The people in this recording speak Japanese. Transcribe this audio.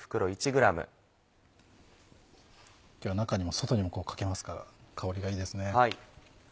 今日は中にも外にもこうかけますから香りがいいですね。